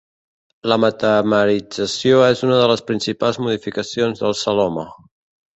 La metamerització és una de les principals modificacions del celoma.